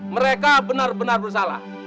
mereka benar benar bersalah